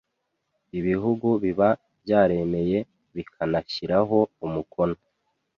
ibihugu biba byaremeye bikanayashyiraho umukono